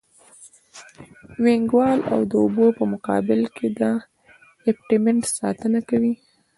وینګ وال د اوبو په مقابل کې د ابټمنټ ساتنه کوي